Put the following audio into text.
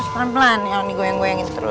pelan pelan kalau digoyang goyangin terus